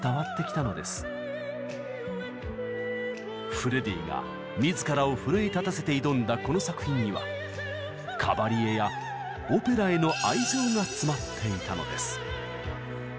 フレディが自らを奮い立たせて挑んだこの作品にはカバリエやオペラへの愛情が詰まっていたのです。